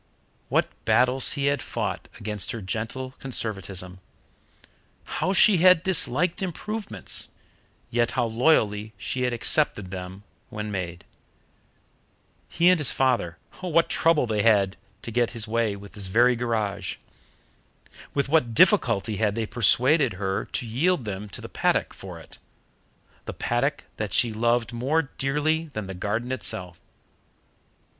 What battles he had fought against her gentle conservatism! How she had disliked improvements, yet how loyally she had accepted them when made! He and his father what trouble they had had to get this very garage! With what difficulty had they persuaded her to yield them to the paddock for it the paddock that she loved more dearly than the garden itself!